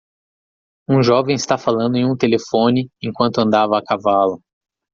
Um jovem está falando em um telefone enquanto andava a cavalo.